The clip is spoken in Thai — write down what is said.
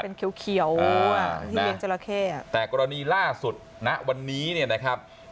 เป็นเขียวเขียวอ่ะที่เลี้ยงจราเข้อ่ะแต่กรณีล่าสุดณวันนี้เนี่ยนะครับ